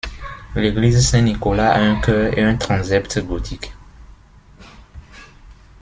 L'église Saint-Nicolas a un chœur et un transept gothiques.